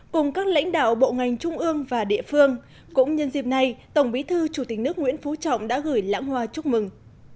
cùng các lãnh đạo bộ ngành trung ương và địa phương cũng nhân dịp này tổng bí thư chủ tịch nước nguyễn phú trọng đã gửi lãng hoa chúc mừng